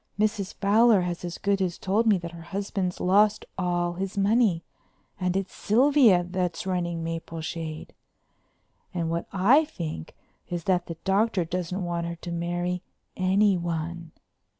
Mrs. Fowler has as good as told me that her husband's lost all his money and it's Sylvia's that's running Mapleshade. And what I think is that the Doctor doesn't want her to marry anyone.